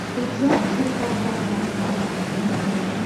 Уржа шыркат авырале.